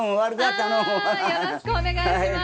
あよろしくお願いします